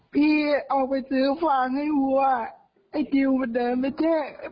พี่เอาไปซื้อฟางให้วัวไอ้ติวมันเดินไม่ใช่